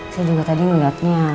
saya juga tadi ngeliatnya